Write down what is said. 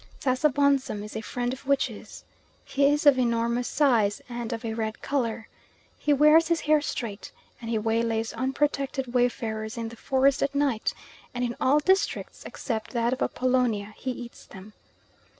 Sasabonsum is a friend of witches. He is of enormous size, and of a red colour. He wears his hair straight and he waylays unprotected wayfarers in the forest at night, and in all districts except that of Apollonia he eats them.